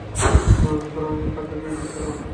তিনি উল্লেখ করেন যে, তার দেখা এটিই সেরা সফর ছিল।